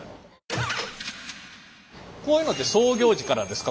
こういうのって創業時からですか？